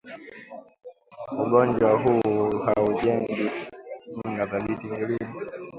ugonjwa huu haujengi kinga thabiti mwilini